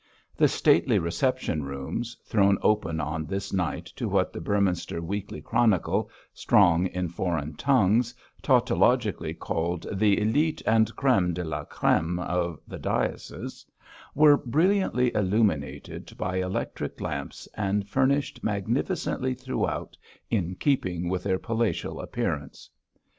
The stately reception rooms thrown open on this night to what the Beorminster Weekly Chronicle, strong in foreign tongues, tautologically called 'the élite and crême de la crême of the diocese' were brilliantly illuminated by electric lamps and furnished magnificently throughout, in keeping with their palatial appearance.